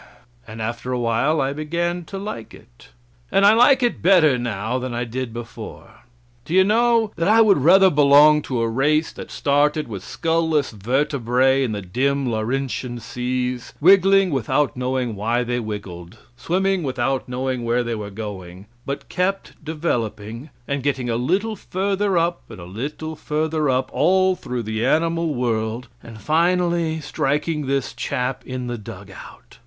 And after a while I began to like it, and I like it better now than I did before. Do you know that I would rather belong to a race that started with skull less vertebrae in the dim Laurentian seas, wiggling without knowing why they wiggled, swimming without knowing where they were going; but kept developing and getting a little further up and a little further up, all through the animal world, and finally striking this chap in the dug out.